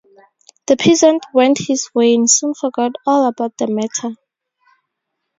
The peasant went his way and soon forgot all about the matter.